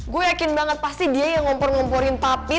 gue yakin banget pasti dia yang ngompor ngomporin tapi